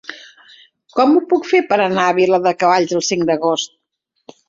Com ho puc fer per anar a Viladecavalls el cinc d'agost?